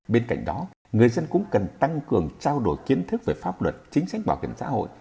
bên cạnh đó người dân cũng cần tăng cường trao đổi kiến thức về pháp luật chính sách bảo hiểm xã hội